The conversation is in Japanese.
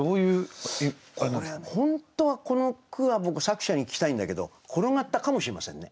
本当はこの句は僕作者に聞きたいんだけどころがったかもしれませんね。